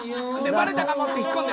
バレたかもって引っ込んで。